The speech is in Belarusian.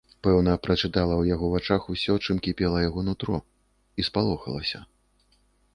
Пэўна, прачытала ў яго вачах усё, чым кіпела яго нутро, і спалохалася.